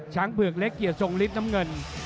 เผือกเล็กเกียรติทรงฤทธิ์น้ำเงิน